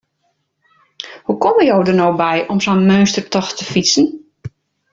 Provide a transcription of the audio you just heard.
Hoe komme jo der no by om sa'n meunstertocht te fytsen?